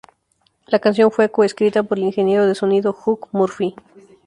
La canción fue coescrita por el ingeniero de sonido Hugh Murphy.